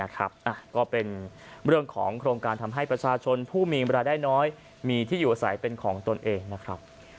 ก็เป็นเรื่องของโครงการทำให้ประชาชนผู้มีเวลาได้น้อยมีที่อยู่อาศัยเป็นของตนเองนะครับ